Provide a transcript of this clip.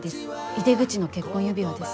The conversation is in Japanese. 井出口の結婚指輪です。